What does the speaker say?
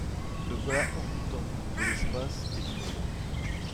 Le voilà hors du temps, de l’espace et du nombre.